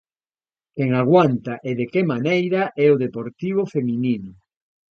Quen aguanta e de que maneira é o Deportivo feminino.